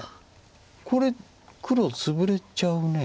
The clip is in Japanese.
これ黒ツブれちゃうね。